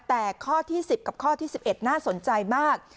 แต่ข้อที่๑๐กับข้อที่๑๑น่าสนใจมาก